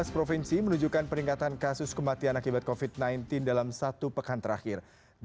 tujuh belas provinsi menunjukkan peningkatan kasus kematian akibat covid sembilan belas dalam satu pekan terakhir